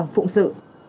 đảng phụng sự